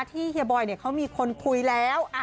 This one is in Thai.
เฮียบอยเขามีคนคุยแล้ว